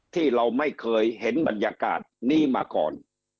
ที่เราไม่เคยเห็นบรรยากาศนี้มาก่อน